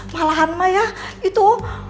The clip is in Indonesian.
malahan mah ya itu